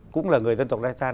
cũng là người dân tộc dagestan